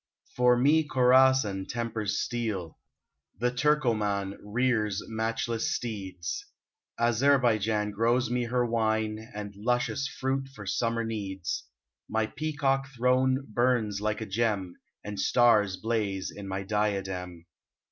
For me Khorasan tempers steel, The Turkoman rears matchless steeds ; Azerbijan grows me her wine, lOI UNBIDDEN And luscious fruit for summer needs ; My peacock throne burns like a gem, And stars blaze in my diadem.